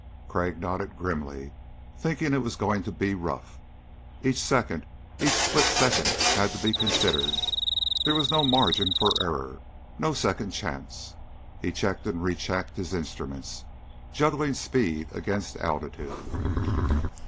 Crag nodded grimly, thinking it was going to be rough. Each second, each split second had to be considered. There was no margin for error. No second chance. He checked and re checked his instruments, juggling speed against altitude.